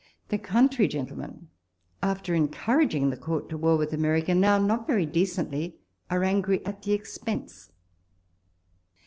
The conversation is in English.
The country gentlemen, after en couraging the Court to war with America, now, not very decently, are angry at the expense.